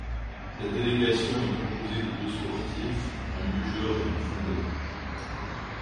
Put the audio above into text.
La délégation est composée de deux sportifs, un lugeur et un fondeur.